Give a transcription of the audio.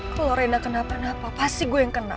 kalau rena kena apa apa pasti gue yang kena